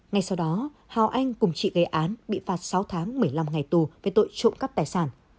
ngay sau đó hào anh cùng chị gây án bị phạt sáu tháng một mươi năm ngày tù về tội trộm cắp tài sản